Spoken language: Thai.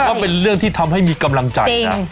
ก็เป็นเรื่องที่ทำให้มีกำลังใจนะ